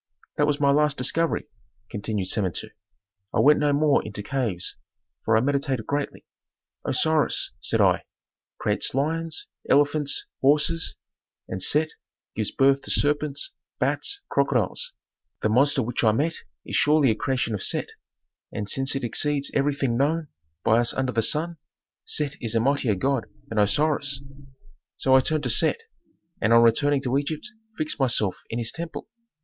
"That was my last discovery," continued Samentu. "I went no more into caves, for I meditated greatly. 'Osiris,' said I, 'creates lions, elephants, horses, and Set gives birth to serpents, bats, crocodiles; the monster which I met is surely a creation of Set, and since it exceeds everything known by us under the sun, Set is a mightier god than Osiris.' "So I turned to Set, and on returning to Egypt fixed myself in his temple.